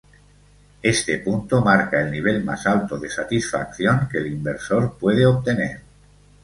Este punto marca el nivel más alto de satisfacción que el inversor puede obtener.